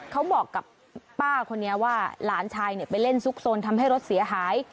เขาบอกกับป้าคนนี้ว่าหลานชายไปเล่นซุกซนทำให้รถเสียหาย